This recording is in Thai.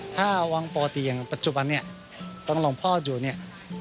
ถ้าวางปกติอย่างปัจจุบันนี้ล่วงพ่ออยู่นี่